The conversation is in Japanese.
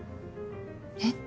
えっ？